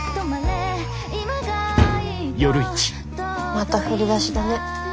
また振り出しだね。